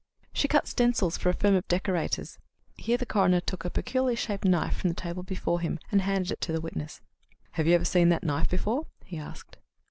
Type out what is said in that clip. "She cut stencils for a firm of decorators." Here the coroner took a peculiarly shaped knife from the table before him, and handed it to the witness. "Have you ever seen that knife before?" he asked.